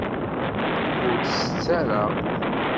Ur t-tett ara.